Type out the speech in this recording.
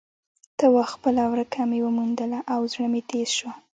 ته وا خپله ورکه مې وموندله او زړه مې تیز شو.